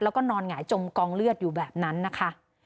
แล้วก็นอนหงายจมกองเลือดอยู่แบบนั้นนะคะ